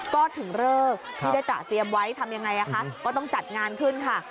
ก็ถึงเลิกที่ได้ตระเตรียมไว้ทำยังไงคะก็ต้องจัดงานขึ้นค่ะ